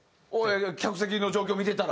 客席の状況を見てたら。